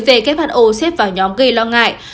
về who xếp vào nhóm gây lo ngại